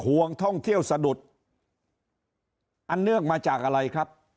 ห่วงท่องเที่ยวสะดุดอันเนื่องมาจากอะไรครับ